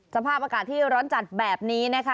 สภาพอากาศที่ร้อนจัดแบบนี้นะคะ